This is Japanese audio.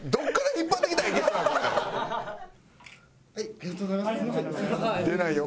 ありがとうございます。